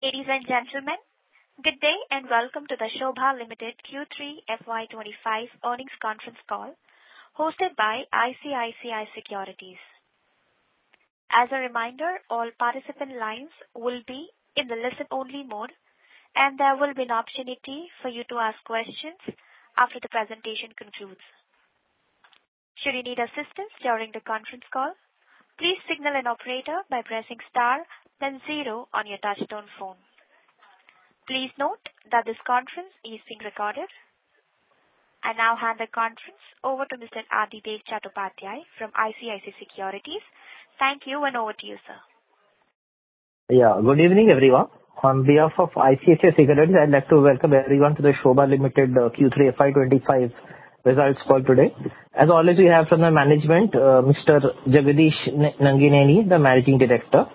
Ladies and gentlemen, good day and welcome to the Sobha Limited Q3 FY 2025 earnings conference call hosted by ICICI Securities. As a reminder, all participant lines will be in the listen-only mode, and there will be an opportunity for you to ask questions after the presentation concludes. Should you need assistance during the conference call, please signal an operator by pressing star, then zero on your touch-tone phone. Please note that this conference is being recorded. I now hand the conference over to Mr. Adhidev Chattopadhyay from ICICI Securities. Thank you, and over to you, sir. Yeah, good evening, everyone. On behalf of ICICI Securities, I'd like to welcome everyone to the Sobha Limited Q3 FY 2025 results call today. As always, we have from the management, Mr. Jagadish Nangineni, the Managing Director,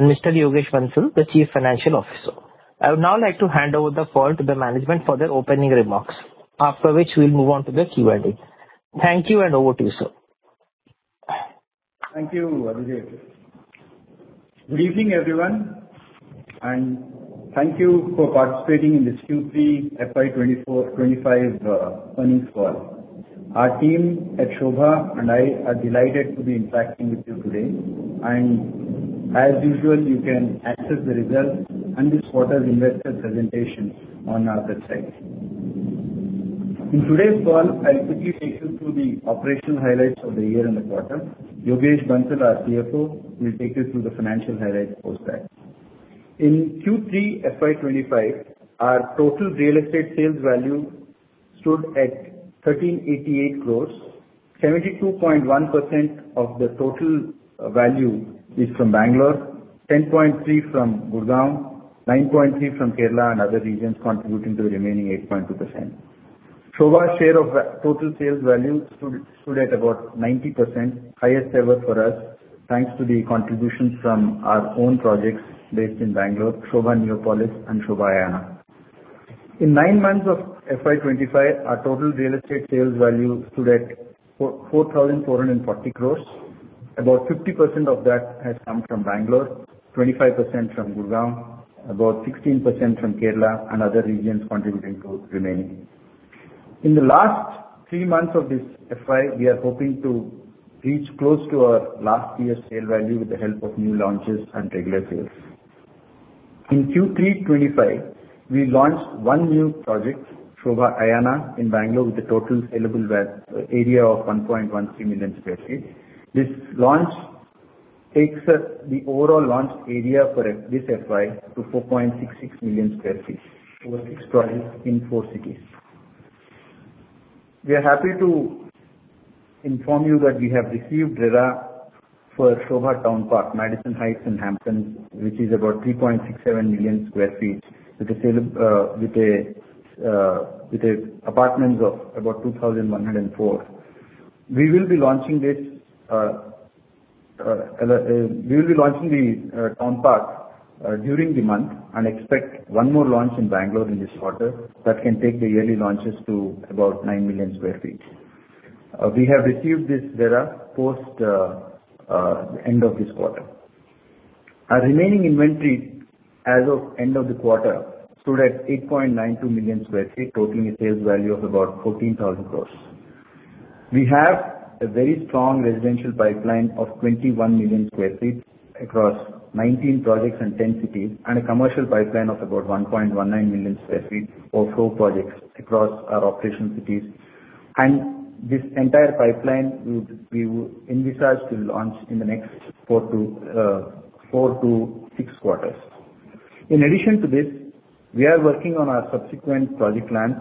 and Mr. Yogesh Bansal, the Chief Financial Officer. I would now like to hand over the call to the management for their opening remarks, after which we'll move on to the Q&A. Thank you, and over to you, sir. Thank you, Adhidev. Good evening, everyone, and thank you for participating in this Q3 FY 2024-2025 earnings call. Our team at Sobha and I are delighted to be interacting with you today. As usual, you can access the results and this quarter's investor presentations on our website. In today's call, I'll quickly take you through the operational highlights of the year and the quarter. Yogesh Bansal, our CFO, will take you through the financial highlights post that. In Q3 FY 2025, our total real estate sales value stood at 1,388 crores. 72.1% of the total value is from Bangalore, 10.3% from Gurgaon, 9.3% from Kerala, and other regions contributing to the remaining 8.2%. Sobha's share of total sales value stood at about 90%, highest ever for us, thanks to the contributions from our own projects based in Bangalore, Sobha Neopolis, and Sobha Ayana. In nine months of FY 2025, our total real estate sales value stood at 4,440 crores. About 50% of that has come from Bangalore, 25% from Gurgaon, about 16% from Kerala, and other regions contributing to the remaining. In the last three months of this FY, we are hoping to reach close to our last year's sale value with the help of new launches and regular sales. In Q3 25, we launched one new project, Sobha Ayana, in Bangalore with a total saleable area of 1.13 million sq ft. This launch takes the overall launch area for this FY to 4.66 million sq ft for six projects in four cities. We are happy to inform you that we have received RERA for Sobha Townpark, Madison Heights in Hampton, which is about 3.67 million sq ft with apartments of about 2,104. We will be launching the town park during the month and expect one more launch in Bangalore in this quarter that can take the yearly launches to about 9 million sq ft. We have received this RERA post end of this quarter. Our remaining inventory as of end of the quarter stood at 8.92 million sq ft, totaling a sales value of about 14,000 crores. We have a very strong residential pipeline of 21 million sq ft across 19 projects and 10 cities, and a commercial pipeline of about 1.19 million sq ft for four projects across our operational cities. This entire pipeline we will be envisage to launch in the next four to six quarters. In addition to this, we are working on our subsequent project lands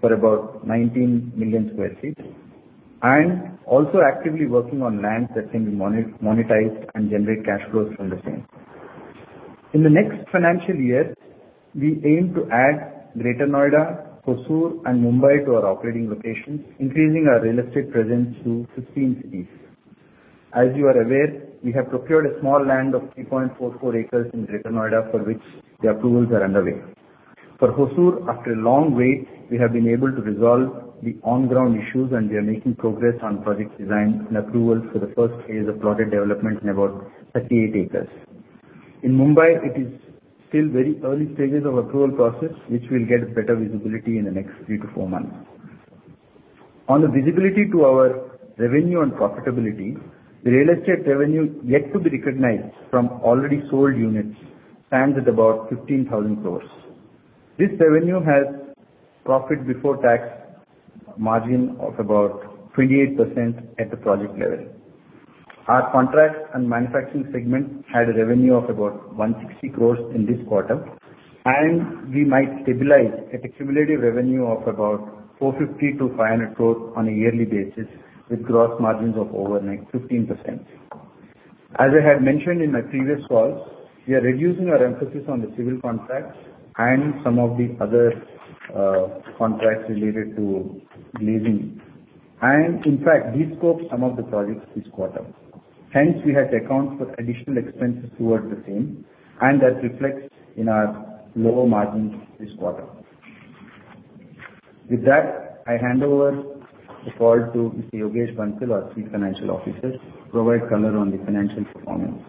for about 19 million sq ft and also actively working on lands that can be monetized and generate cash flows from the same. In the next financial year, we aim to add Greater Noida, Hosur, and Mumbai to our operating locations, increasing our real estate presence to 15 cities. As you are aware, we have procured a small land of 3.44 acres in Greater Noida for which the approvals are underway. For Hosur, after a long wait, we have been able to resolve the on-ground issues, and we are making progress on project design and approvals for the first phase of plotted development in about 38 acres. In Mumbai, it is still very early stages of approval process, which will get better visibility in the next three to four months. On the visibility to our revenue and profitability, the real estate revenue yet to be recognized from already sold units stands at about 15,000 crores. This revenue has profit before tax margin of about 28% at the project level. Our contracts and manufacturing segment had a revenue of about 160 crores in this quarter, and we might stabilize at a cumulative revenue of about 450 to 500 crores on a yearly basis with gross margins of over 15%. As I had mentioned in my previous calls, we are reducing our emphasis on the civil contracts and some of the other contracts related to glazing. And in fact, we scoped some of the projects this quarter. Hence, we had to account for additional expenses towards the same, and that reflects in our lower margins this quarter. With that, I hand over the call to Mr. Yogesh Bansal, our Chief Financial Officer, to provide color on the financial performance,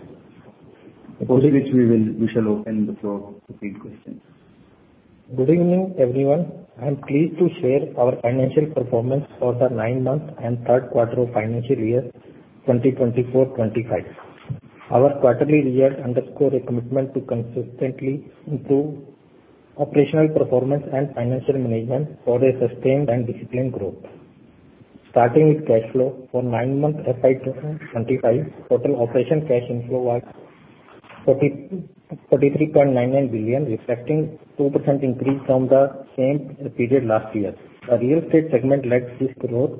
which we shall open the floor to take questions. Good evening, everyone. I'm pleased to share our financial performance for the nine-month and third quarter of financial year 2024-2025. Our quarterly result underscores a commitment to consistently improve operational performance and financial management for a sustained and disciplined growth. Starting with cash flow, for nine-month FY 2025, total operation cash inflow was 43.99 billion, reflecting a 2% increase from the same period last year. The real estate segment led this growth,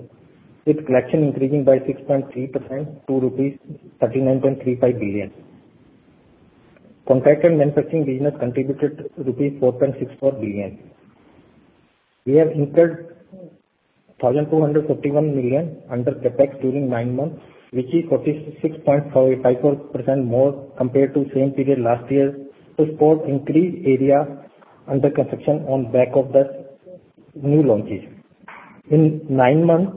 with collection increasing by 6.3% to rupees 39.35 billion. Contract and manufacturing business contributed rupees 4.64 billion. We have incurred 1,251 million under CapEx during nine months, which is 46.54% more compared to the same period last year, to support increased area under construction on the back of the new launches. In nine months,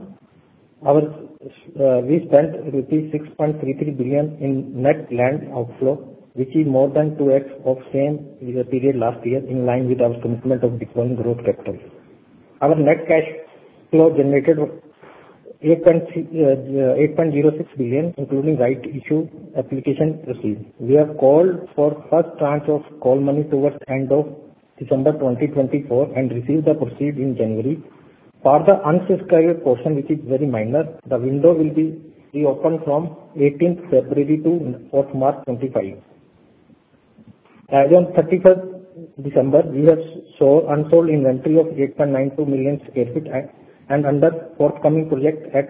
we spent rupees 6.33 billion in net land outflow, which is more than 2X of the same period last year, in line with our commitment of deploying growth capitals. Our net cash flow generated 8.06 billion, including rights issue application receipts. We have called for the first tranche of call money towards the end of December 2024 and received the proceeds in January. For the unsubscribed portion, which is very minor, the window will be reopened from 18th February to 4th March 2025. As of 31st December, we have unsold inventory of 8.92 million sq ft and under forthcoming projects at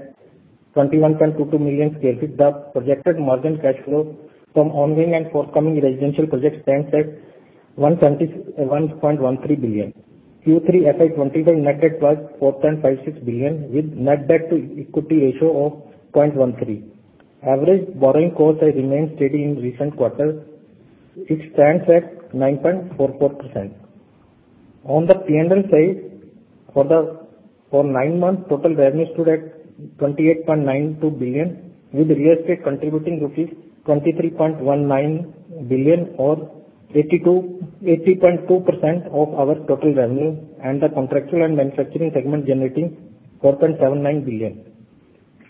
21.22 million sq ft. The projected margin cash flow from ongoing and forthcoming residential projects stands at 1.13 billion. Q3 FY 2025 net debt was 4.56 billion, with net debt-to-equity ratio of 0.13. Average borrowing cost has remained steady in recent quarters, which stands at 9.44%. On the P&L side, for the nine months, total revenue stood at 28.92 billion, with real estate contributing rupees 23.19 billion, or 80.2% of our total revenue, and the contractual and manufacturing segment generating 4.79 billion.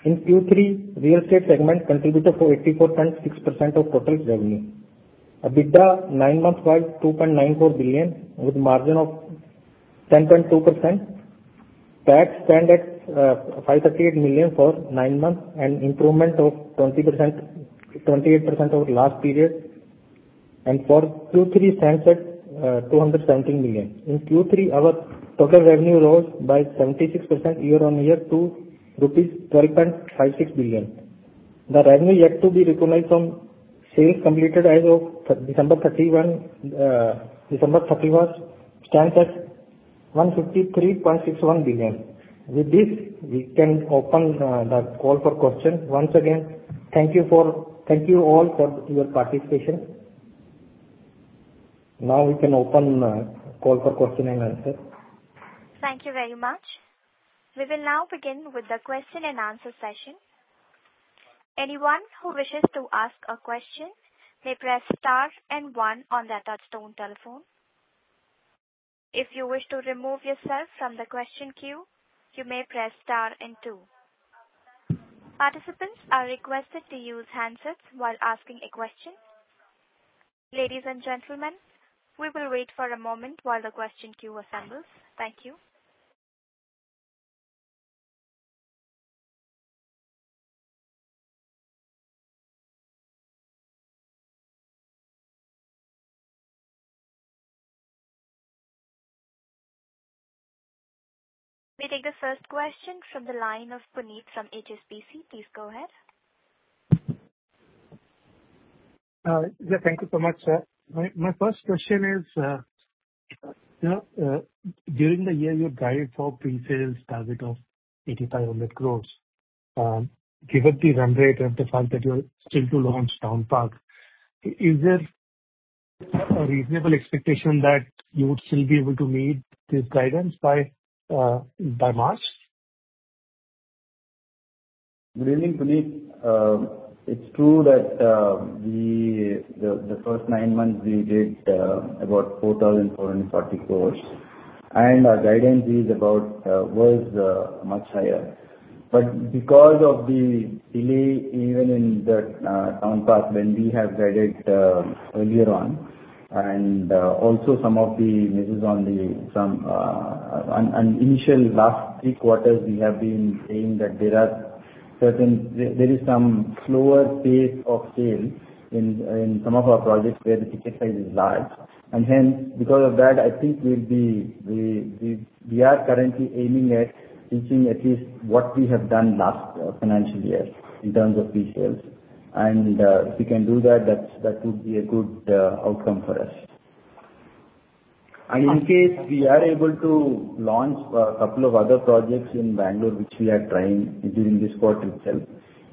In Q3, real estate segment contributed for 84.6% of total revenue. EBITDA nine months was 2.94 billion, with a margin of 10.2%. Tax spent at 538 million for nine months and improvement of 28% over last period. And for Q3, it stands at 217 million. In Q3, our total revenue rose by 76% year-on-year to rupees 12.56 billion. The revenue yet to be recognized from sales completed as of December 31st stands at 153.61 billion. With this, we can open the call for questions. Once again, thank you all for your participation. Now we can open the call for questions and answers. Thank you very much. We will now begin with the question-and-answer session. Anyone who wishes to ask a question may press star and one on their touch-tone telephone. If you wish to remove yourself from the question queue, you may press star and two. Participants are requested to use handsets while asking a question. Ladies and gentlemen, we will wait for a moment while the question queue assembles. Thank you. We take the first question from the line of Puneet Gulati from HSBC. Please go ahead. Yeah, thank you so much. My first question is, during the year you're guided for pre-sales target of 8,500 crores, given the run rate and the fact that you're still to launch Town Park, is there a reasonable expectation that you would still be able to meet this guidance by March? Good evening, Puneet. It's true that the first nine months we did about 4,440 crores, and our guidance was much higher, but because of the delay even in the town park when we have guided earlier on, and also some of the initial last three quarters, we have been saying that there is some slower pace of sales in some of our projects where the ticket size is large, and hence, because of that, I think we are currently aiming at reaching at least what we have done last financial year in terms of pre-sales, and if we can do that, that would be a good outcome for us, and in case we are able to launch a couple of other projects in Bangalore, which we are trying during this quarter itself,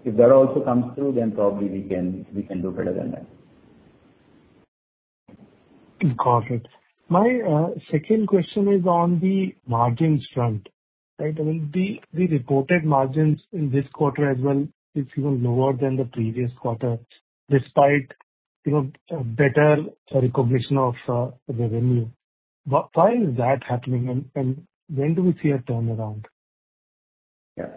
if that also comes through, then probably we can do better than that. Got it. My second question is on the margins front. The reported margins in this quarter as well seem lower than the previous quarter, despite better recognition of revenue. Why is that happening, and when do we see a turnaround? Yeah,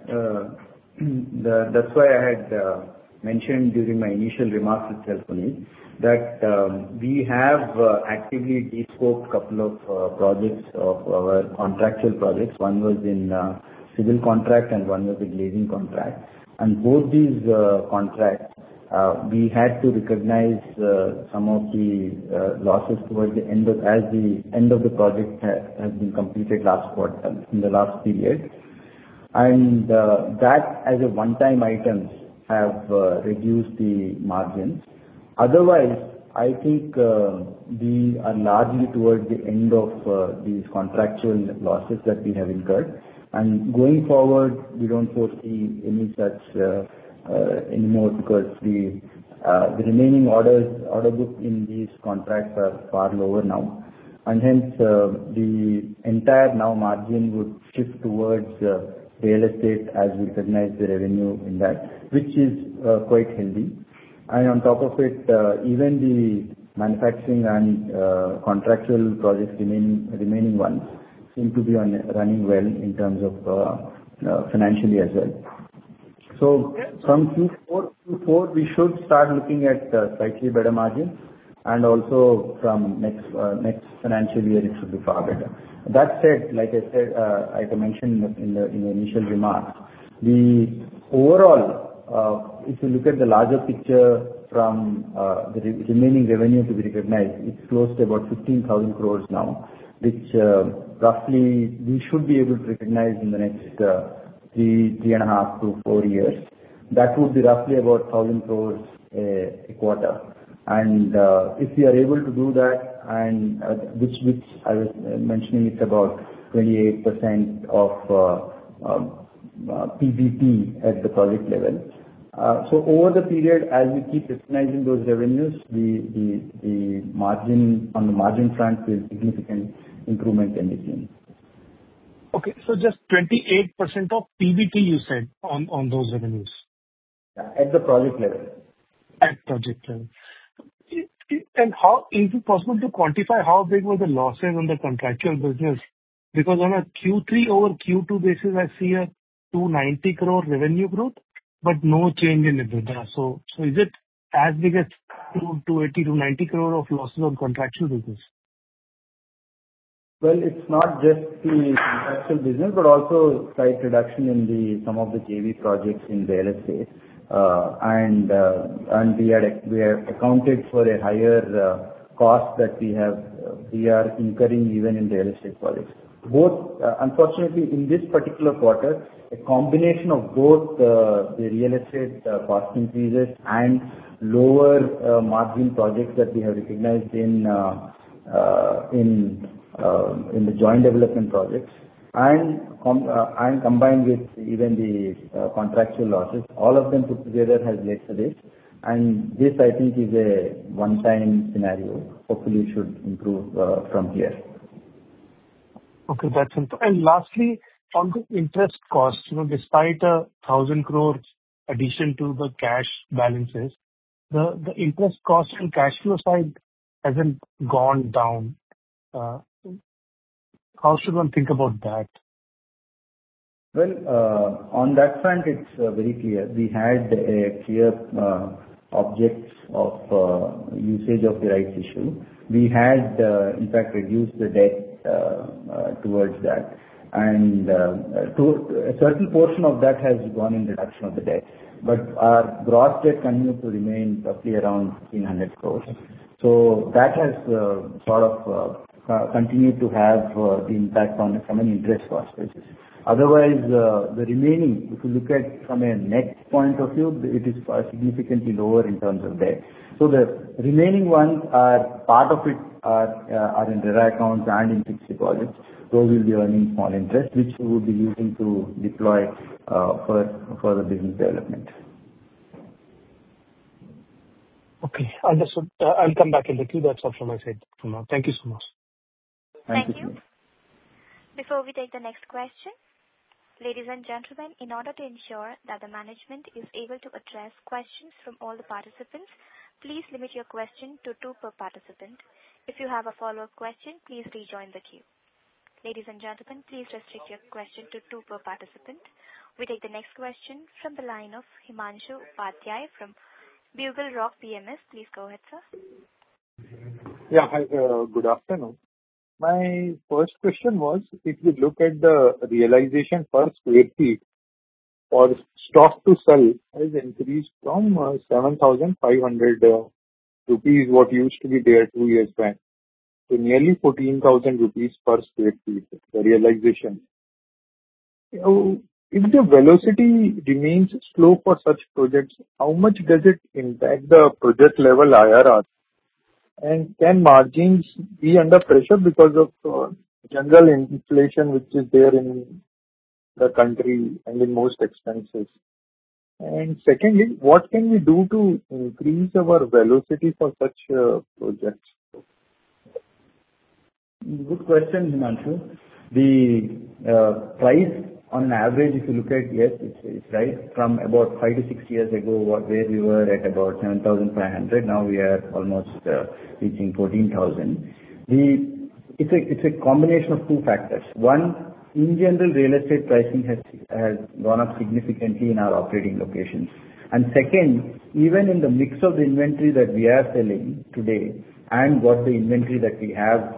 that's why I had mentioned during my initial remarks itself, Puneet, that we have actively de-scoped a couple of projects of our contractual projects. One was in civil contract, and one was a glazing contract. And both these contracts, we had to recognize some of the losses towards the end of the project that has been completed in the last period. And that, as a one-time item, has reduced the margins. Otherwise, I think we are largely towards the end of these contractual losses that we have incurred. And going forward, we don't foresee any such anymore because the remaining order book in these contracts are far lower now. And hence, the entire now margin would shift towards real estate as we recognize the revenue in that, which is quite healthy. On top of it, even the manufacturing and contractual projects, remaining ones, seem to be running well in terms of financially as well. From Q4, we should start looking at slightly better margins, and also from next financial year, it should be far better. That said, like I mentioned in the initial remarks, overall, if you look at the larger picture from the remaining revenue to be recognized, it's close to about 15,000 crore now, which roughly we should be able to recognize in the next three and a half to four years. That would be roughly about 1,000 crore a quarter. And if we are able to do that, which I was mentioning, it's about 28% of PBT at the project level. Over the period, as we keep recognizing those revenues, the margin on the margin front will have a significant improvement in between. Okay. So just 28% of PBT, you said, on those revenues? At the project level. At project level. Is it possible to quantify how big were the losses on the contractual business? Because on a Q3 over Q2 basis, I see 290 crore revenue growth, but no change in EBITDA. Is it as big as 280 to 290 crore of losses on contractual business? It's not just the contractual business, but also slight reduction in some of the JV projects in real estate. We have accounted for a higher cost that we are incurring even in real estate projects. Unfortunately, in this particular quarter, a combination of both the real estate cost increases and lower margin projects that we have recognized in the joint development projects, and combined with even the contractual losses, all of them put together has led to this. This, I think, is a one-time scenario. Hopefully, it should improve from here. Okay. That's it, and lastly, on the interest cost, despite an 1,000 crore addition to the cash balances, the interest cost on cash flow side hasn't gone down. How should one think about that? On that front, it's very clear. We had a clear object of usage of the rights issue. We had, in fact, reduced the debt towards that. A certain portion of that has gone in reduction of the debt. Our gross debt continues to remain roughly around 1,500 crores. That has sort of continued to have the impact on some of the interest cost basis. Otherwise, the remaining, if you look at from a net point of view, it is significantly lower in terms of debt. The remaining ones, part of it are in RERA accounts and in fixed deposits. Those will be earning small interest, which we will be using to deploy for the business development. Okay. Understood. I'll come back in a few thoughts of what I said. Thank you so much. Thank you. Thank you. Before we take the next question, ladies and gentlemen, in order to ensure that the management is able to address questions from all the participants, please limit your question to two per participant. If you have a follow-up question, please rejoin the queue. Ladies and gentlemen, please restrict your question to two per participant. We take the next question from the line of Himanshu Upadhyay from Bugle Rock PMS. Please go ahead, sir. Yeah. Hi, good afternoon. My first question was, if you look at the realization per square feet or sq ft to sell, has increased from 7,500 rupees, what used to be there two years back, to nearly 14,000 rupees per square feet, the realization. If the velocity remains slow for such projects, how much does it impact the project level IRR? And can margins be under pressure because of general inflation, which is there in the country and in most expenses? And secondly, what can we do to increase our velocity for such projects? Good question, Himanshu. The price on average, if you look at, yes, it's right, from about five to six years ago, where we were at about 7,500, now we are almost reaching 14,000. It's a combination of two factors. One, in general, real estate pricing has gone up significantly in our operating locations. And second, even in the mix of the inventory that we are selling today and what the inventory that we have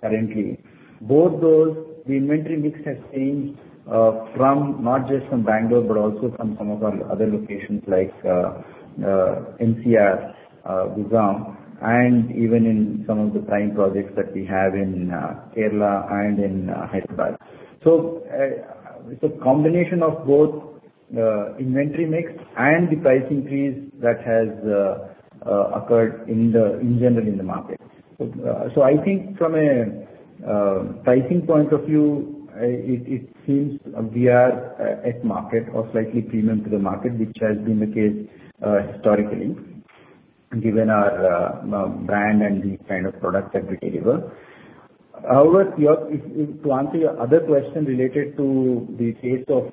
currently, both those, the inventory mix has changed not just from Bangalore, but also from some of our other locations like NCR, Gurugram, and even in some of the prime projects that we have in Kerala and in Hyderabad. So it's a combination of both inventory mix and the price increase that has occurred in general in the market. I think from a pricing point of view, it seems we are at market or slightly premium to the market, which has been the case historically, given our brand and the kind of products that we deliver. However, to answer your other question related to the pace of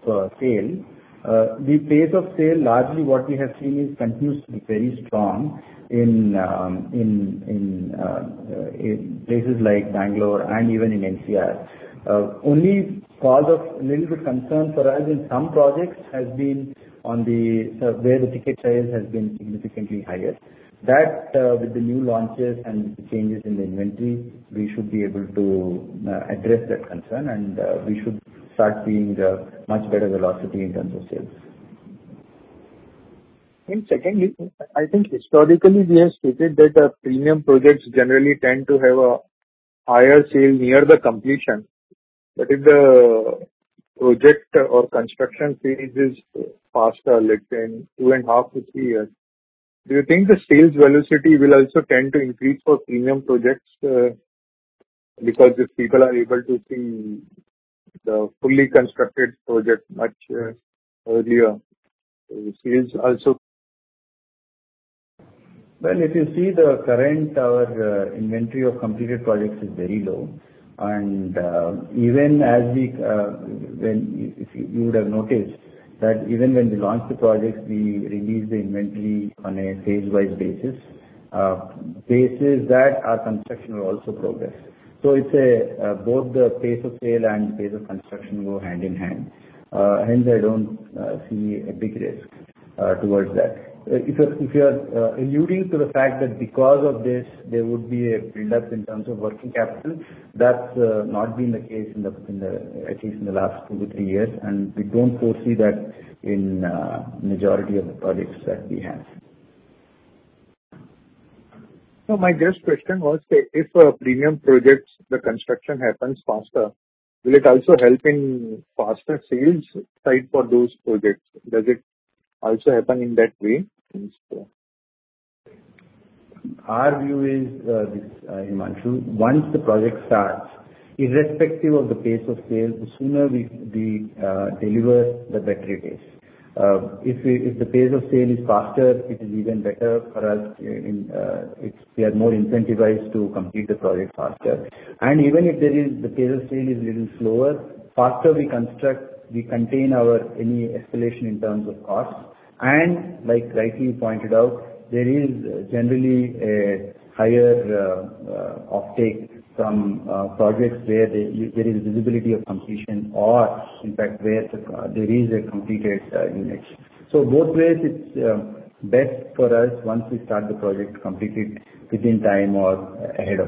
sale, largely what we have seen continues to be very strong in places like Bangalore and even in NCR. The only cause of a little bit of concern for us in some projects has been in those where the ticket size has been significantly higher. That, with the new launches and changes in the inventory, we should be able to address that concern, and we should start seeing much better velocity in terms of sales. Secondly, I think historically we have stated that premium projects generally tend to have a higher sale near the completion. But if the project or construction phase is faster, let's say in two and a half to three years, do you think the sales velocity will also tend to increase for premium projects? Because if people are able to see the fully constructed project much earlier, the sales also. Well, if you see, the current inventory of completed projects is very low. And even as you would have noticed that even when we launch the projects, we release the inventory on a phase-wise basis that our construction will also progress. So both the pace of sale and the pace of construction go hand in hand. Hence, I don't see a big risk towards that. If you're alluding to the fact that because of this, there would be a build-up in terms of working capital, that's not been the case, at least in the last two to three years. We don't foresee that in the majority of the projects that we have. So my first question was, if a premium project, the construction happens faster, will it also help in faster sales side for those projects? Does it also happen in that way? Our view is, Himanshu, once the project starts, irrespective of the pace of sale, the sooner we deliver, the better it is. If the pace of sale is faster, it is even better for us. We are more incentivized to complete the project faster. And even if the pace of sale is a little slower, faster we construct, we contain any escalation in terms of cost. And like rightly pointed out, there is generally a higher offtake from projects where there is visibility of completion or, in fact, where there is a completed unit. So both ways, it's best for us once we start the project completed within time or ahead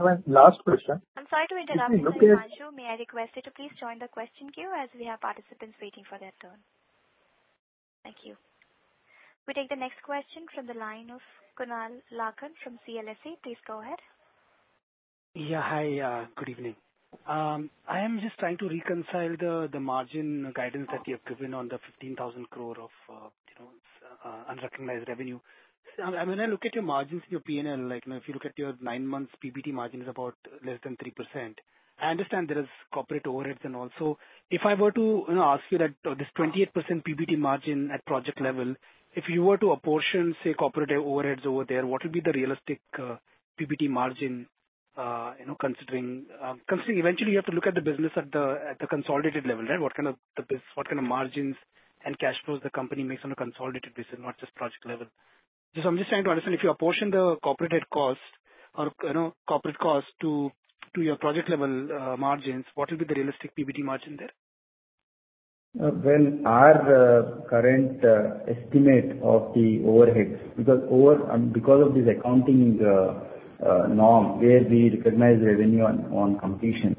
of time. Last question. I'm sorry to interrupt. Himanshu, may I request you to please join the question queue as we have participants waiting for their turn? Thank you. We take the next question from the line of Kunal Lakhan from CLSA. Please go ahead. Yeah. Hi, good evening. I am just trying to reconcile the margin guidance that you have given on the 15,000 crore of unrecognized revenue. When I look at your margins in your P&L, if you look at your nine-month PBT margin is about less than 3%. I understand there is corporate overheads and all. So if I were to ask you that this 28% PBT margin at project level, if you were to apportion, say, corporate overheads over there, what would be the realistic PBT margin considering eventually you have to look at the business at the consolidated level, right? What kind of margins and cash flows the company makes on a consolidated basis, not just project level? So I'm just trying to understand if you apportion the corporate costs to your project-level margins, what would be the realistic PBT margin there? Our current estimate of the overheads, because of this accounting norm where we recognize revenue on completion,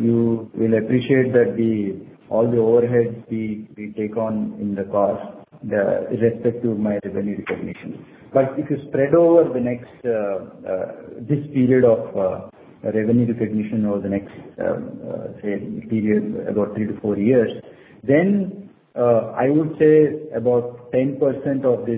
you will appreciate that all the overheads we take on in the cost irrespective of my revenue recognition. But if you spread over this period of revenue recognition over the next, say, period, about three-to-four years, then I would say about 10% of the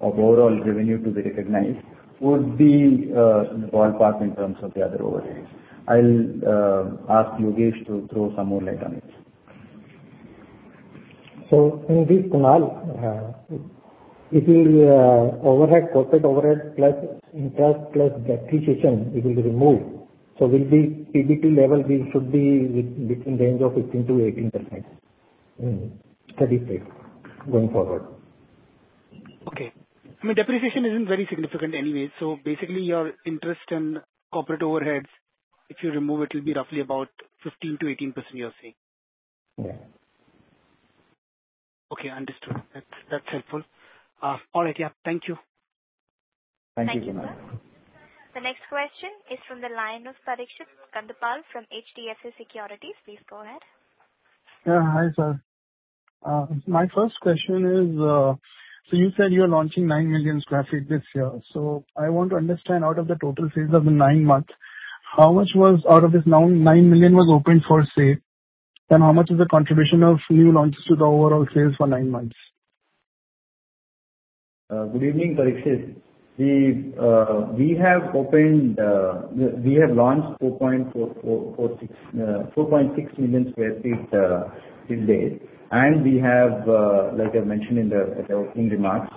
overall revenue to be recognized would be in the ballpark in terms of the other overheads. I'll ask Yogesh to throw some more light on it. So in this, Kunal, if we add corporate overhead plus interest plus depreciation, it will be removed. So, will the PBT level be between the range of 15% to 18% in FY 2030 going forward? Okay. I mean, depreciation isn't very significant anyway. So basically, your interest and corporate overheads, if you remove it, it'll be roughly about 15% to 18%, you're saying? Yeah. Okay. Understood. That's helpful. All right. Yeah. Thank you. Thank you, Himanshu. Thank you. The next question is from the line of Parikshit Kandpal from HDFC Securities. Please go ahead. Hi, sir. My first question is, so you said you're launching 9 million sq ft this year, so I want to understand out of the total sales of the nine months, how much was out of this 9 million sq ft was opened for sale, and how much is the contribution of new launches to the overall sales for nine months? Good evening, Parikshit. We have launched 4.6 million sq ft till date, and we have, like I mentioned in the opening remarks,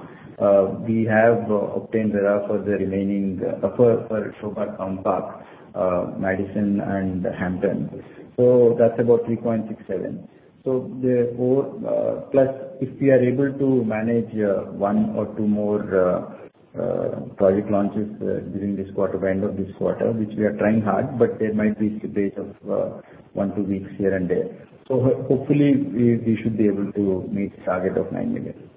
we have obtained RERA for the remaining for Sobha Townpark, Madison, and Hampton, so that's about 3.67, so plus if we are able to manage one or two more project launches during this quarter by end of this quarter, which we are trying hard, but there might be a delay of one to two weeks here and there, so hopefully, we should be able to meet the target of nine million.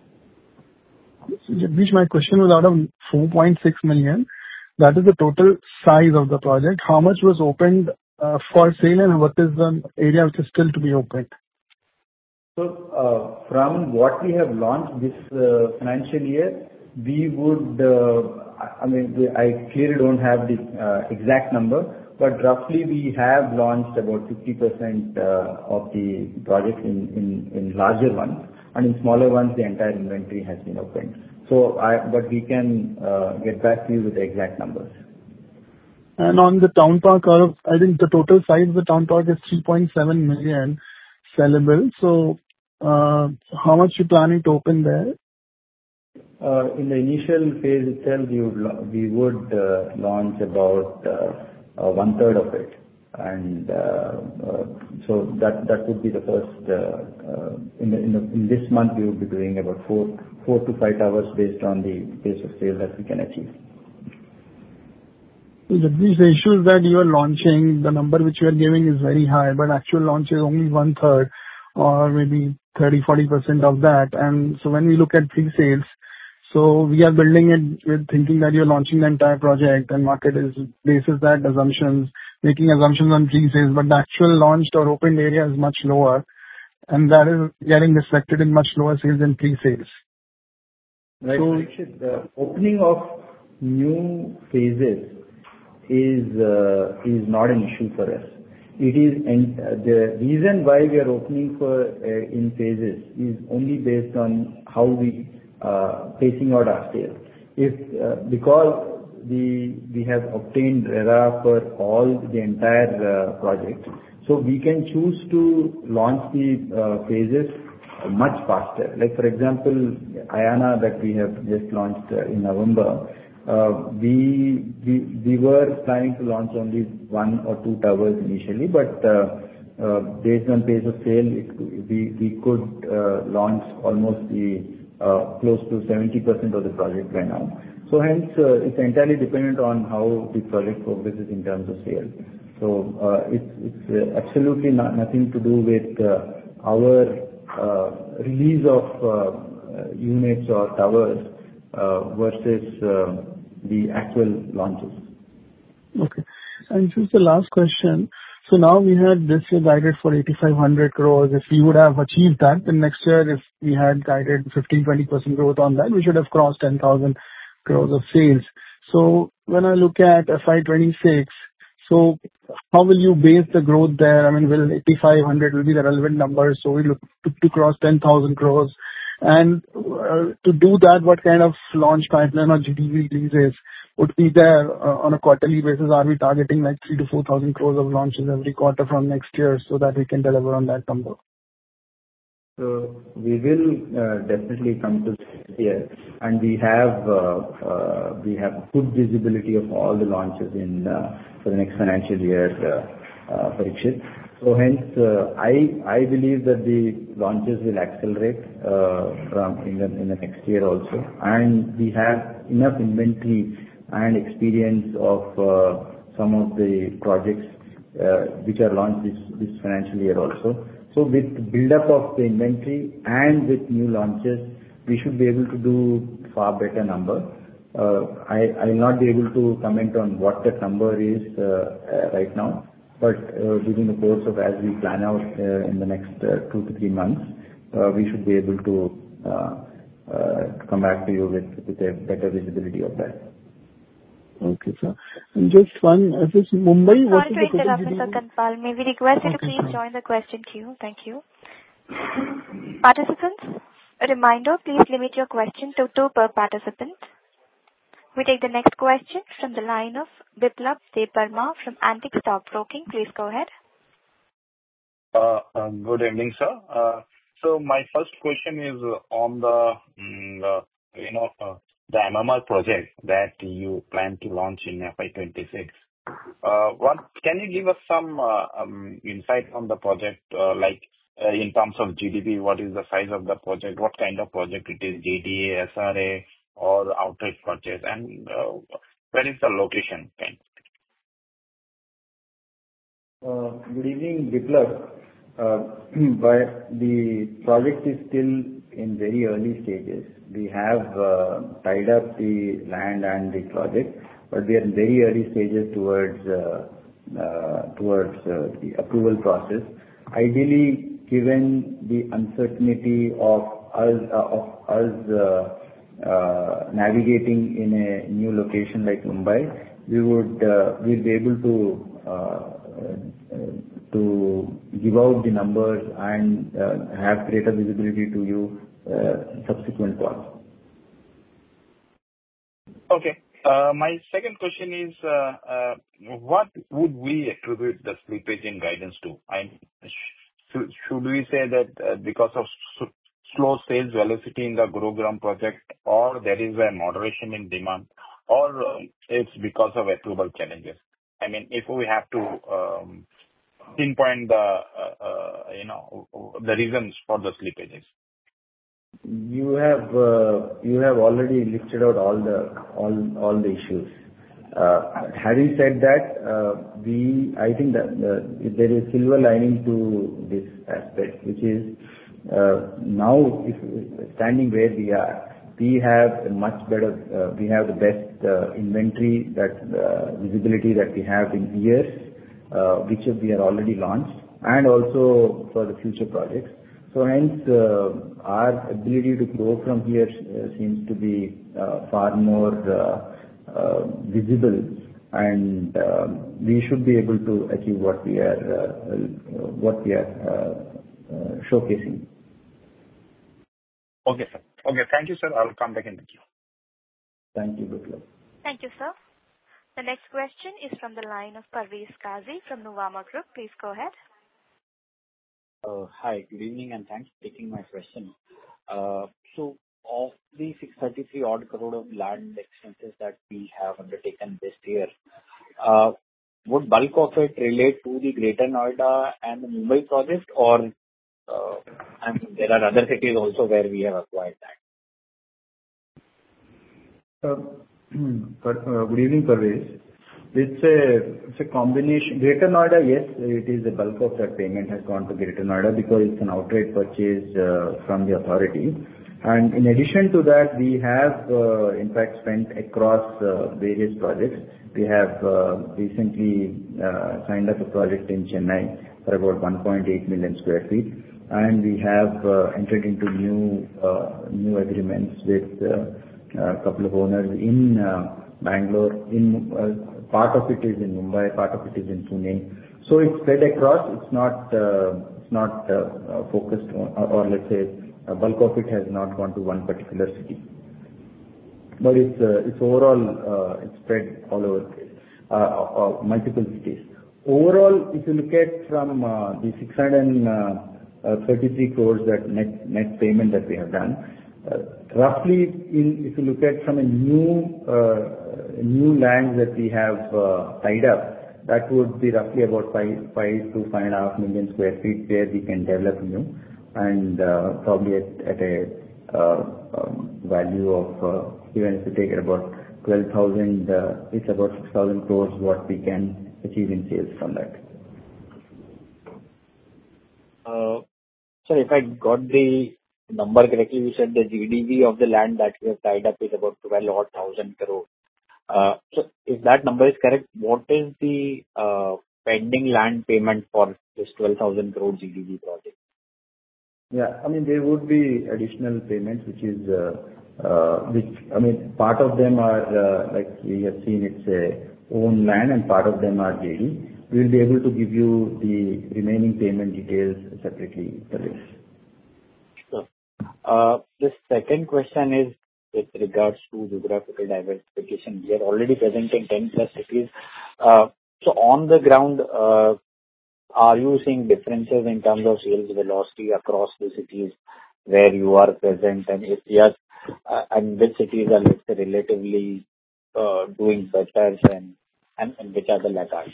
So, Jagadish, my question was out of 4.6 million. That is the total size of the project. How much was opened for sale and what is the area which is still to be opened? From what we have launched this financial year, we would, I mean, I clearly don't have the exact number, but roughly we have launched about 50% of the projects in larger ones. In smaller ones, the entire inventory has been opened. We can get back to you with the exact numbers. On the Town Park, I think the total size of the Town Park is 3.7 million sellable. How much are you planning to open there? In the initial phase itself, we would launch about 1/3 of it, and so that would be the first in this month, we will be doing about four to five towers based on the pace of sale that we can achieve. Jagadish, to ensure that you are launching, the number which you are giving is very high, but actual launch is only 1/3 or maybe 30%, 40% of that. And so when we look at pre-sales, so we are building it with thinking that you're launching the entire project and market is basing that on assumptions, making assumptions on pre-sales, but the actual launched or opened area is much lower. And that is getting reflected in much lower sales than pre-sales. Right. Parikshit, the opening of new phases is not an issue for us. The reason why we are opening in phases is only based on how we are pacing out our sales. Because we have obtained RERA for the entire project, so we can choose to launch the phases much faster. For example, Ayana that we have just launched in November, we were planning to launch only one or two towers initially, but based on pace of sale, we could launch almost close to 70% of the project right now. So hence, it's entirely dependent on how the project progresses in terms of sale. So it's absolutely nothing to do with our release of units or towers versus the actual launches. Okay. And just the last question. So now we had this year guided for 8,500 crores. If we would have achieved that, then next year, if we had guided 15%, 20% growth on that, we should have crossed 10,000 crores of sales. So when I look at FY 2026, so how will you base the growth there? I mean, will 8,500 be the relevant number? So we look to cross 10,000 crores. And to do that, what kind of launch pipeline or GDV releases would be there on a quarterly basis? Are we targeting like 3,000 to 4,000 crores of launches every quarter from next year so that we can deliver on that number? We will definitely come to the end here. We have good visibility of all the launches for the next financial year, Parikshit. Hence, I believe that the launches will accelerate in the next year also. We have enough inventory and experience of some of the projects which are launched this financial year also. With the build-up of the inventory and with new launches, we should be able to do a far better number. I will not be able to comment on what that number is right now, but during the course of as we plan out in the next two to three months, we should be able to come back to you with a better visibility of that. Okay, sir. And just one, Mumbai was. Hi, Jagadish. I've interrupted Kandpal. May we request you to please join the question queue? Thank you. Participants, reminder, please limit your question to two per participant. We take the next question from the line of Biplab Debbarma from Antique Stockbroking. Please go ahead. Good evening, sir. So my first question is on the MMR project that you plan to launch in FY 2026. Can you give us some insight on the project in terms of GDV? What is the size of the project? What kind of project it is? JDA, SRA, or outright purchase? And where is the location? Good evening, Biplab. The project is still in very early stages. We have tied up the land and the project, but we are in very early stages towards the approval process. Ideally, given the uncertainty of us navigating in a new location like Mumbai, we would be able to give out the numbers and have greater visibility to you subsequently. Okay. My second question is, what would we attribute the slippage in guidance to? Should we say that because of slow sales velocity in the Gurugram project, or there is a moderation in demand, or it's because of approval challenges? I mean, if we have to pinpoint the reasons for the slippages. You have already listed out all the issues. Having said that, I think that there is a silver lining to this aspect, which is, now standing where we are, we have the best inventory visibility that we have in years, which we have already launched, and also for the future projects. So hence, our ability to grow from here seems to be far more visible, and we should be able to achieve what we are showcasing. Okay. Okay. Thank you, sir. I'll come back and thank you. Thank you, Biplab. Thank you, sir. The next question is from the line of Parvez Qazi from Nuvama Group. Please go ahead. Hi. Good evening and thanks for taking my question, so of the 633-odd crore of land expenses that we have undertaken this year, would the bulk of it relate to the Greater Noida and the Mumbai project, or are there other cities also where we have acquired land? Good evening, Parvez. It's a combination. Greater Noida, yes, it is a bulk of the payment has gone to Greater Noida because it's an outright purchase from the authority. And in addition to that, we have, in fact, spent across various projects. We have recently signed up a project in Chennai for about 1.8 million sq ft. And we have entered into new agreements with a couple of owners in Bangalore. Part of it is in Mumbai. Part of it is in Pune. So it's spread across. It's not focused on, or let's say, bulk of it has not gone to one particular city. But it's overall spread all over multiple cities. Overall, if you look at from the 633 crore, that net payment that we have done, roughly, if you look at from a new land that we have tied up, that would be roughly about 5 to 5.5 million sq ft where we can develop new. And probably at a value of, even if you take it about 12,000, it's about 6,000 crore what we can achieve in sales from that. Sorry, if I got the number correctly, you said the GDV of the land that we have tied up is about 12 odd thousand crores. So if that number is correct, what is the pending land payment for this 12,000 crore GDV project? Yeah. I mean, there would be additional payments, which is, I mean, part of them are like we have seen its own land, and part of them are JDA. We'll be able to give you the remaining payment details separately, Parikshit. Sure. The second question is with regards to geographical diversification. We are already present in 10+ cities. So on the ground, are you seeing differences in terms of sales velocity across the cities where you are present? And which cities are relatively doing better, and which are the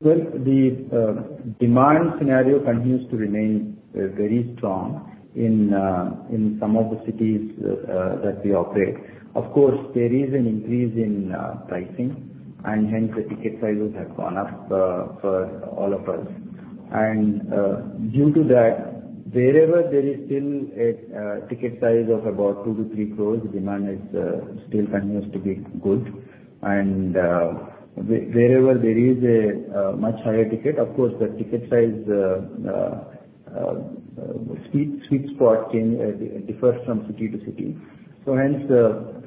laggards? The demand scenario continues to remain very strong in some of the cities that we operate. Of course, there is an increase in pricing, and hence, the ticket sizes have gone up for all of us. And due to that, wherever there is still a ticket size of about two to three crores, demand still continues to be good. And wherever there is a much higher ticket, of course, the ticket size sweet spot differs from city to city. So hence,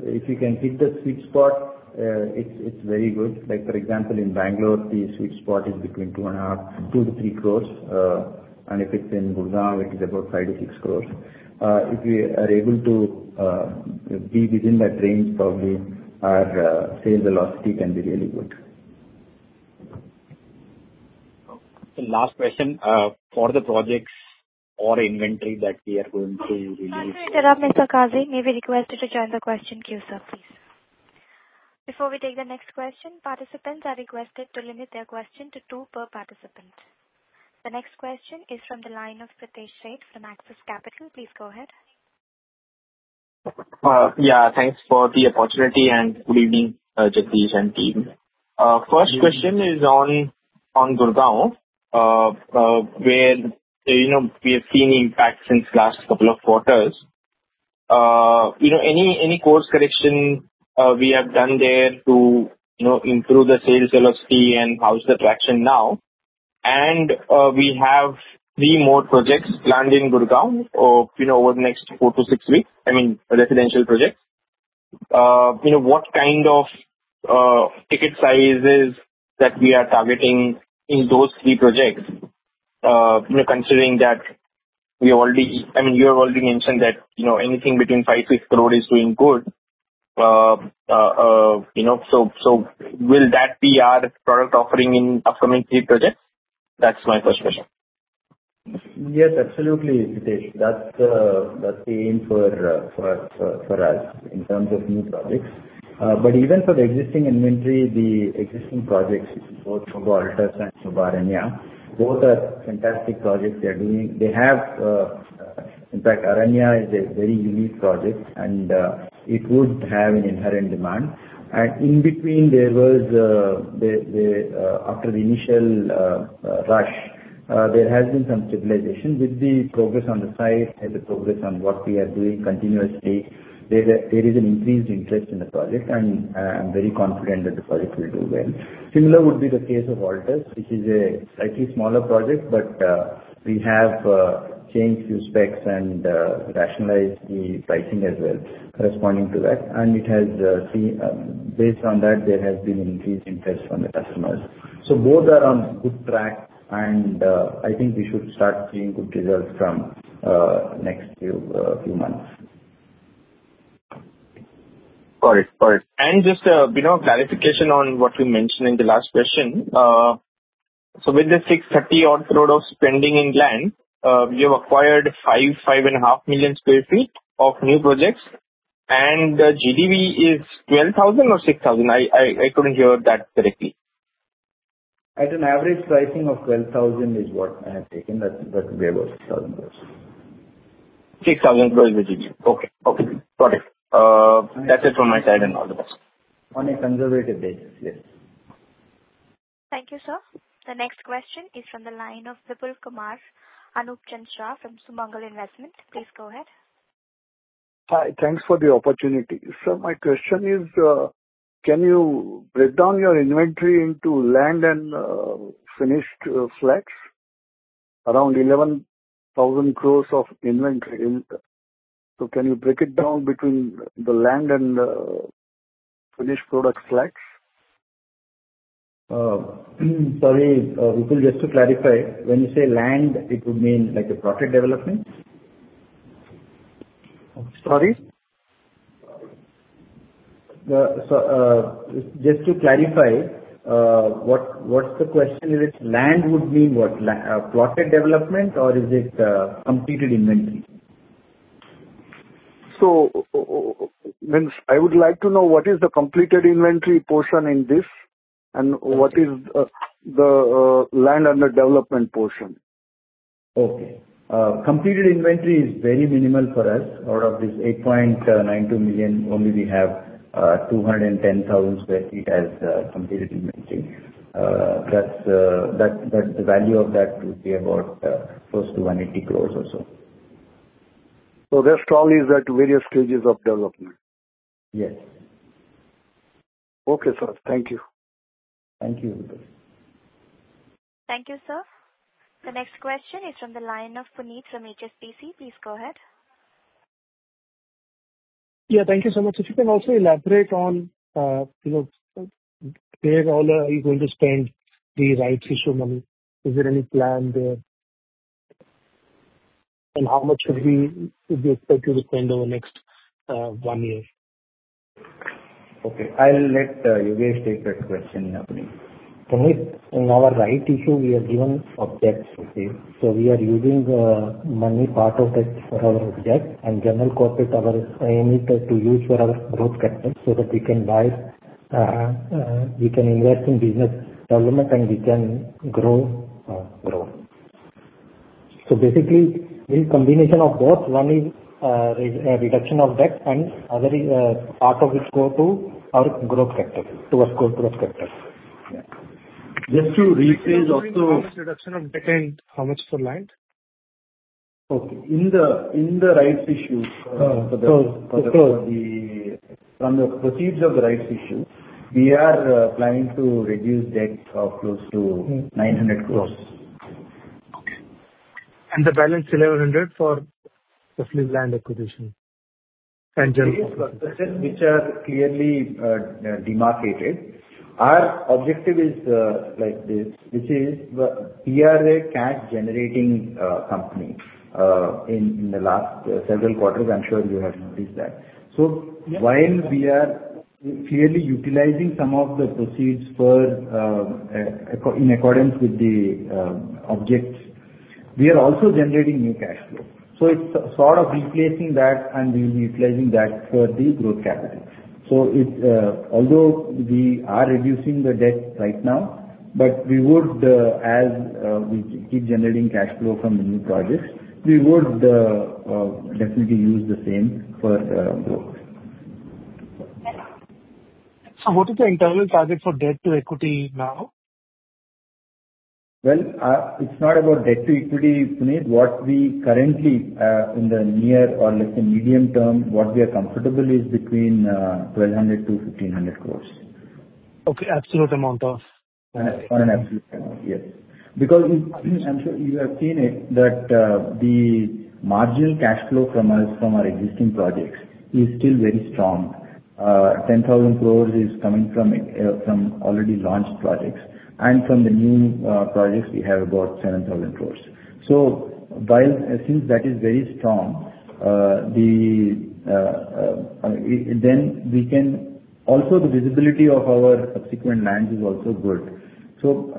if you can hit the sweet spot, it's very good. For example, in Bangalore, the sweet spot is between two and a half, two to three crores. And if it's in Gurugram, it is about five to six crores. If we are able to be within that range, probably our sales velocity can be really good. Last question. For the projects or inventory that we are going to release. All right, Jagadish Nangineni. May we request you to join the question queue, sir? Please. Before we take the next question, participants are requested to limit their question to two per participant. The next question is from the line of Pritesh Sheth from Axis Capital. Please go ahead. Yeah. Thanks for the opportunity, and good evening, Jagadish and team. First question is on Gurugram, where we have seen impact since last couple of quarters. Any course correction we have done there to improve the sales velocity and how's the traction now? And we have three more projects planned in Gurugram over the next four to six weeks. I mean, residential projects. What kind of ticket sizes that we are targeting in those three projects, considering that we already, I mean, you have already mentioned that anything between five to six crore is doing good. So will that be our product offering in upcoming three projects? That's my first question. Yes, absolutely, Prateesh. That's the aim for us in terms of new projects. But even for the existing inventory, the existing projects, both Sobha Altus and Sobha Aranya, both are fantastic projects they are doing. They have, in fact, Aranya is a very unique project, and it would have an inherent demand. And in between, there was, after the initial rush, there has been some stabilization. With the progress on the site and the progress on what we are doing continuously, there is an increased interest in the project. And I'm very confident that the project will do well. Similar would be the case of Altus, which is a slightly smaller project, but we have changed a few specs and rationalized the pricing as well corresponding to that. And based on that, there has been an increased interest from the customers. So both are on good track, and I think we should start seeing good results from next few months. Got it. Got it. And just a clarification on what you mentioned in the last question. So with the 630-odd crore of spending in land, you have acquired 5-5.5 million sq ft of new projects. And the GDV is 12,000 or 6,000? I couldn't hear that correctly. At an average pricing of 12,000 is what I have taken. That would be about 6,000 crores. 6,000 crores is the GDV. Okay. Okay. Got it. That's it from my side and all the best. On a conservative basis, yes. Thank you, sir. The next question is from the line of Vipul Kumar Anup Chand Shah from Sumangal Investment. Please go ahead. Hi. Thanks for the opportunity. Sir, my question is, can you break down your inventory into land and finished flats? Around 11,000 crores of inventory. So can you break it down between the land and finished product flats? Sorry, Vipul, just to clarify, when you say land, it would mean like a plotted development? Sorry? Just to clarify, what's the question? Land would mean what? Plotted development, or is it completed inventory? I would like to know what is the completed inventory portion in this and what is the land under development portion? Okay. Completed inventory is very minimal for us. Out of this 8.92 million, only we have 210,000 sq ft as completed inventory. The value of that would be about close to 180 crores or so. So that's probably at various stages of development. Yes. Okay, sir. Thank you. Thank you, Vipul. Thank you, sir. The next question is from the line of Puneet from HSBC. Please go ahead. Yeah. Thank you so much. If you can also elaborate on where all are you going to spend the Rights Issue money? Is there any plan there? And how much would we expect you to spend over the next one year? Okay. I'll let Yogesh take that question. In our rights issue, we have given objects. So we are using money part of it for our objects. And general corporate, I need to use for our growth capital so that we can buy, we can invest in business development, and we can grow our growth. So basically, the combination of both, one is reduction of debt, and the other part of it goes to our growth capital, to our growth capital. Just to rephrase also. How much reduction of debt and how much for land? Okay. In the Rights Issue, from the proceeds of the Rights Issue, we are planning to reduce debt of close to 900 crores. Okay. And the balance 1,100 for the land acquisition and general corporate? Yes, which are clearly demarcated. Our objective is like this, which is we are a cash-generating company. In the last several quarters, I'm sure you have noticed that. So while we are clearly utilizing some of the proceeds in accordance with the objects, we are also generating new cash flow. So it's sort of replacing that, and we'll be utilizing that for the growth capital. So although we are reducing the debt right now, but we would, as we keep generating cash flow from the new projects, we would definitely use the same for growth. So what is the internal target for debt to equity now? It's not about debt to equity, Puneet. What we currently, in the near or less than medium term, what we are comfortable is between 1,200 to 1,500 crores. Okay. Absolute amount of? On an absolute amount, yes. Because I'm sure you have seen it, that the marginal cash flow from our existing projects is still very strong. 10,000 crores is coming from already launched projects, and from the new projects, we have about 7,000 crores, so since that is very strong, then we can also the visibility of our subsequent lands is also good, so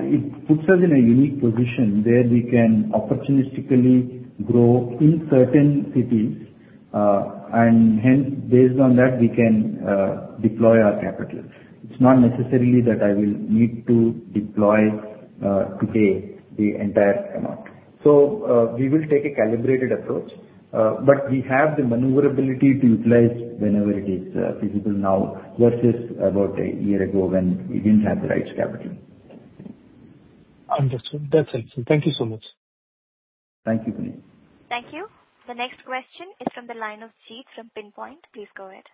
it puts us in a unique position where we can opportunistically grow in certain cities, and hence, based on that, we can deploy our capital. It's not necessarily that I will need to deploy today the entire amount, so we will take a calibrated approach, but we have the maneuverability to utilize whenever it is feasible now versus about a year ago when we didn't have the raised capital. Understood. That's excellent. Thank you so much. Thank you, Puneet. Thank you. The next question is from the line of Jeet from Pinpoint. Please go ahead.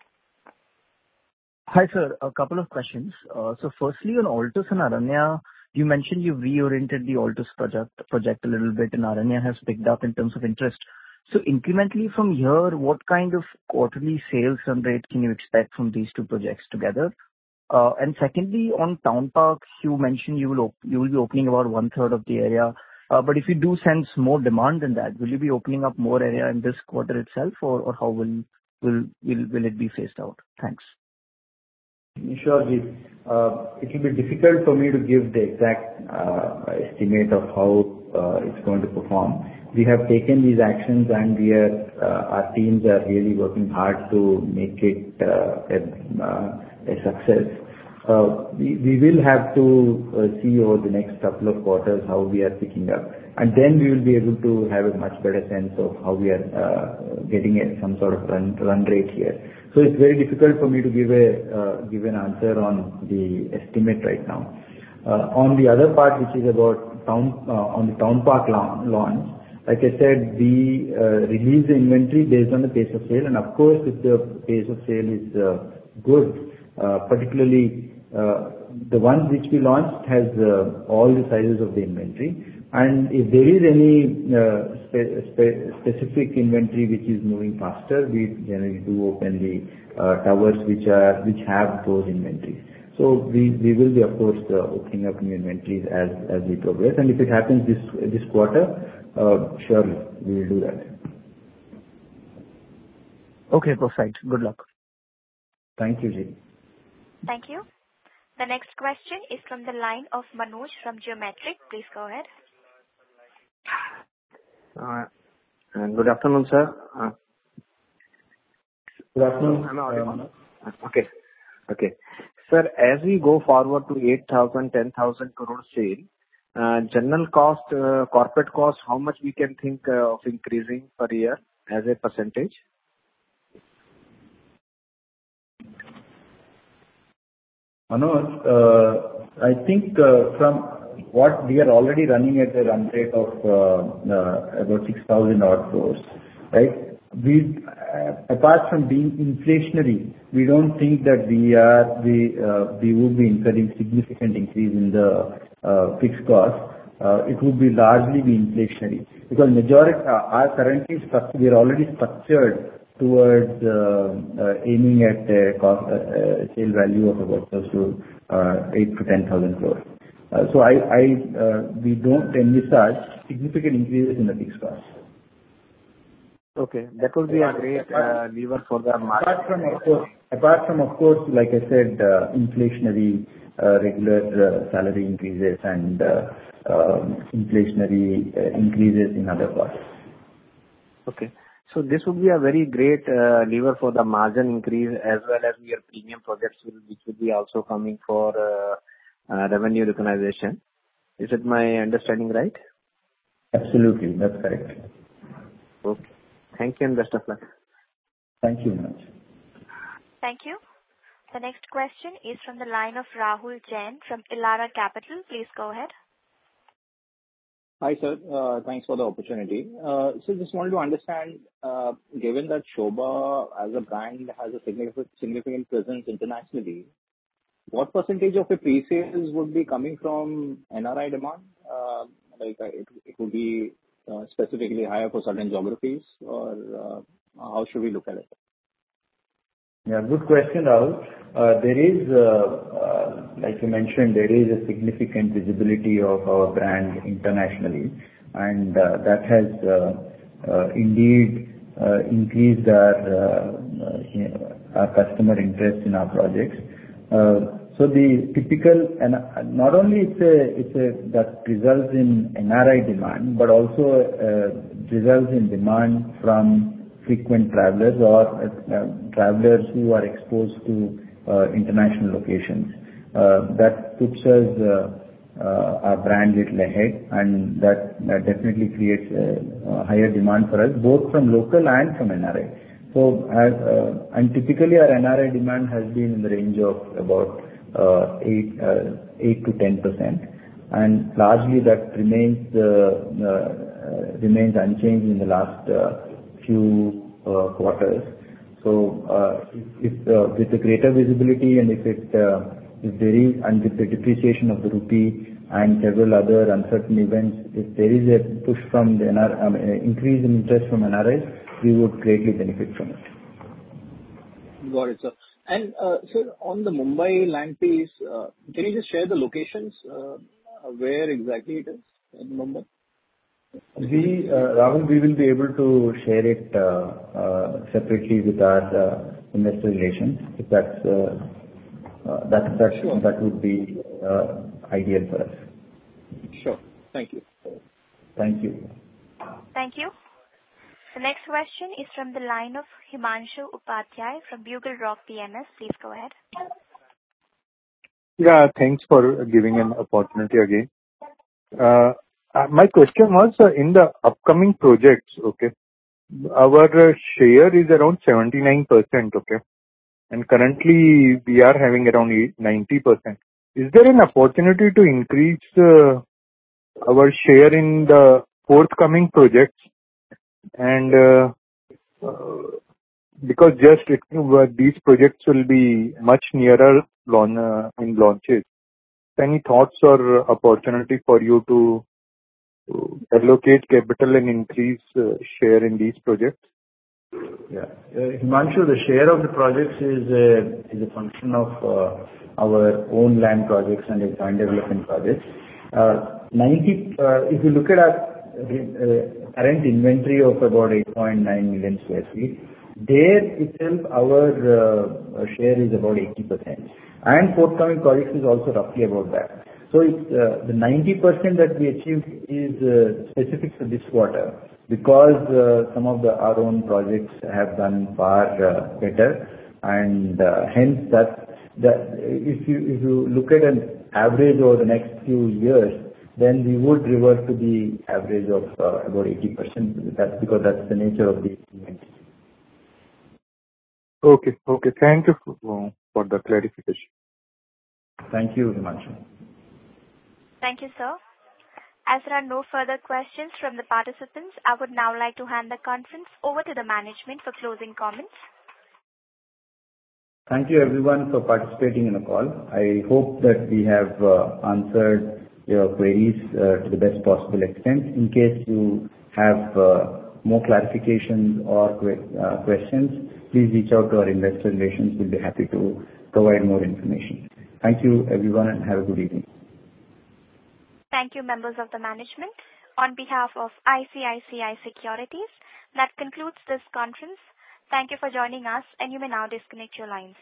Hi, sir. A couple of questions. So firstly, on Altus and Aranya, you mentioned you've reoriented the Altus project a little bit, and Aranya has picked up in terms of interest. So incrementally from here, what kind of quarterly sales and rate can you expect from these two projects together? And secondly, on Town Park, you mentioned you will be opening about one-third of the area. But if you do sense more demand than that, will you be opening up more area in this quarter itself, or how will it be phased out? Thanks. Sure, Jeet. It will be difficult for me to give the exact estimate of how it's going to perform. We have taken these actions, and our teams are really working hard to make it a success. We will have to see over the next couple of quarters how we are picking up. And then we will be able to have a much better sense of how we are getting some sort of run rate here. So it's very difficult for me to give an answer on the estimate right now. On the other part, which is about the Town Park launch, like I said, we release the inventory based on the pace of sale. And of course, if the pace of sale is good, particularly the one which we launched has all the sizes of the inventory. And if there is any specific inventory which is moving faster, we generally do open the towers which have those inventories. So we will be, of course, opening up new inventories as we progress. And if it happens this quarter, surely we will do that. Okay. Perfect. Good luck. Thank you, Jeet. Thank you. The next question is from the line of Manoj from Geometric. Please go ahead. Good afternoon, sir. Good afternoon. I'm I audible. Okay. Okay. Sir, as we go forward to 8,000, 10,000 crore sale, general cost, corporate cost, how much we can think of increasing per year as a percentage? Manoj, I think from what we are already running at a run rate of about 6,000 odd crores, right? Apart from being inflationary, we don't think that we will be incurring significant increase in the fixed cost. It would largely be inflationary. Because our current, we are already structured towards aiming at the sale value of about 8,000, 10,000 crores. So we don't envisage significant increases in the fixed cost. Okay. That would be a great lever for the margin. Apart from, of course, like I said, inflationary regular salary increases and inflationary increases in other costs. Okay, so this would be a very great lever for the margin increase as well as your premium projects, which would be also coming for revenue recognition. Is it my understanding right? Absolutely. That's correct. Okay. Thank you and best of luck. Thank you very much. Thank you. The next question is from the line of Rahul Jain from Elara Capital. Please go ahead. Hi, sir. Thanks for the opportunity. So just wanted to understand, given that Sobha as a brand has a significant presence internationally, what percentage of the pre-sales would be coming from NRI demand? It would be specifically higher for certain geographies, or how should we look at it? Yeah. Good question, Rahul. Like you mentioned, there is a significant visibility of our brand internationally. And that has indeed increased our customer interest in our projects. So the typical, and not only it's that results in NRI demand, but also results in demand from frequent travelers or travelers who are exposed to international locations. That puts our brand a little ahead. And that definitely creates a higher demand for us, both from local and from NRI. And typically, our NRI demand has been in the range of about 8% to 10%. And largely, that remains unchanged in the last few quarters. So with the greater visibility and if it varies and with the depreciation of the rupee and several other uncertain events, if there is a push from the increase in interest from NRI, we would greatly benefit from it. Got it, sir. And sir, on the Mumbai land piece, can you just share the locations where exactly it is in Mumbai? Rahul, we will be able to share it separately with our investor relations. That would be ideal for us. Sure. Thank you. Thank you. Thank you. The next question is from the line of Himanshu Upadhyay from Bugle Rock PMS. Please go ahead. Yeah. Thanks for giving an opportunity again. My question was, in the upcoming projects, our share is around 79%. And currently, we are having around 90%. Is there an opportunity to increase our share in the forthcoming projects? And because these projects will be much nearer in launches, any thoughts or opportunity for you to allocate capital and increase share in these projects? Yeah. Himanshu, the share of the projects is a function of our own land projects and the joint development projects. If you look at our current inventory of about 8.9 million sq ft, there itself, our share is about 80%. And forthcoming projects is also roughly about that. So the 90% that we achieved is specific for this quarter because some of our own projects have done far better. And hence, if you look at an average over the next few years, then we would revert to the average of about 80% because that's the nature of the inventory. Okay. Okay. Thank you for the clarification. Thank you, Himanshu. Thank you, sir. As there are no further questions from the participants, I would now like to hand the conference over to the management for closing comments. Thank you, everyone, for participating in the call. I hope that we have answered your queries to the best possible extent. In case you have more clarifications or questions, please reach out to our investor relations. We'll be happy to provide more information. Thank you, everyone, and have a good evening. Thank you, members of the management. On behalf of ICICI Securities, that concludes this conference. Thank you for joining us, and you may now disconnect your lines.